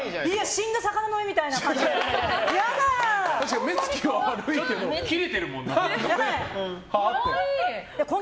死んだ魚の目みたいな感じじゃん。